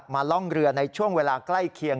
ล่องเรือในช่วงเวลาใกล้เคียง